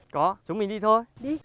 có chúng mình đi thôi